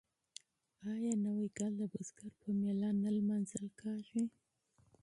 آیا نوی کال د بزګر په میله نه لمانځل کیږي؟